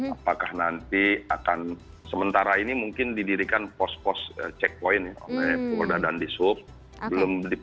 apakah nanti akan sementara ini mungkin didirikan pos pos checkpoint oleh polda dan di subs